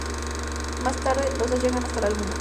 Más tarde, los dos llegan hasta la Luna.